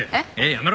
やめろ！